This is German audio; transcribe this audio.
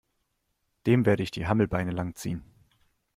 Dem werde ich die Hammelbeine lang ziehen!